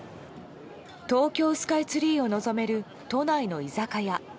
東京スカイツリーを望める都内の居酒屋。